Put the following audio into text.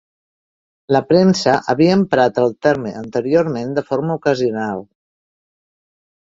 La premsa havia emprat el terme anteriorment de forma ocasional.